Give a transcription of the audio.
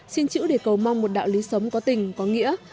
xin chữ để cầu mong một đạo lý sống có tình có nghĩa